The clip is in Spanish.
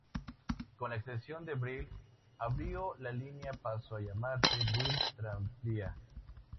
Con la extensión de Brill abrió la línea pasó a llamarse Brill Tranvía.